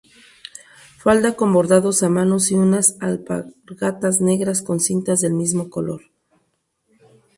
Falda con bordados a mano y unas alpargatas negras con cintas del mismo color.